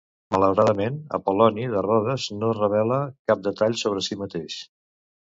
Malauradament, Apol·loni de Rodes no revela cap detall sobre si mateix.